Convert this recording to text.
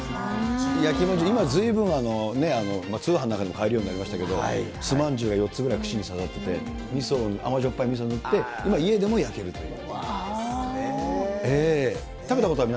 今、ずいぶん、通販なんかでも買えるようになりましたけれども、素まんじゅうが４つぐらい串に刺さってて、みそに、甘じょっぱいみそを塗って今家でも焼けるという。